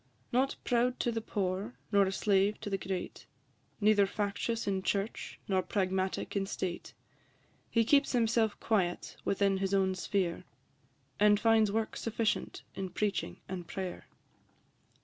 Not proud to the poor, nor a slave to the great, Neither factious in church, nor pragmatic in state, He keeps himself quiet within his own sphere, And finds work sufficient in preaching and prayer.